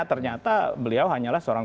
ternyata beliau hanyalah seorang